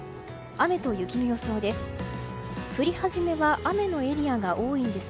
雨と雪の予想です。